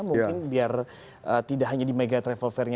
mungkin biar tidak hanya di mega travel fairnya